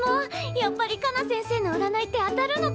やっぱりカナ先生のうらないって当たるのかな？